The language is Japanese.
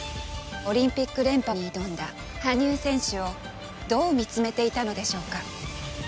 オリンピック連覇に挑んだ羽生選手をどう見つめていたのでしょうか。